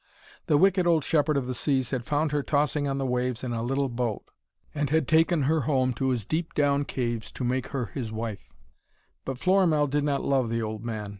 The wicked old Shepherd of the Seas had found her tossing on the waves in a little boat, and had taken her home to his deep down caves to make her his wife. But Florimell did not love the old man.